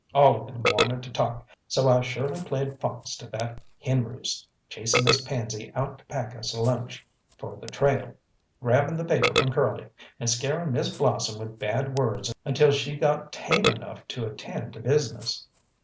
All of them wanted to talk, so I surely played fox to that hen roost, chasing Miss Pansy out to pack us a lunch for the trail, grabbing the paper from Curly, and scaring Miss Blossom with bad words until she got tame enough to attend to business.